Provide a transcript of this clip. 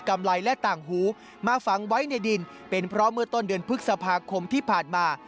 ำไรและต่างหูมาฝังไว้ในดินเป็นเพราะเมื่อต้นเดือนพฤษภาคมที่ผ่านมา